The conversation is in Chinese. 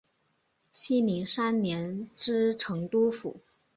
熙宁三年知成都府。